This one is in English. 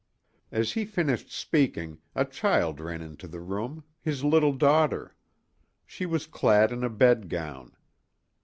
As he finished speaking, a child ran into the room—his little daughter. She was clad in a bedgown.